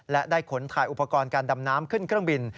และได้ขนถ่ายอุปกรณ์การดำน้ำขึ้นเครื่องบิน